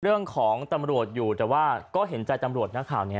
เรื่องของตำรวจอยู่แต่ว่าก็เห็นใจตำรวจนะข่าวนี้